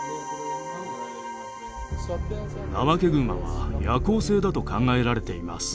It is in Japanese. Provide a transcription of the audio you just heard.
ナマケグマは夜行性だと考えられています。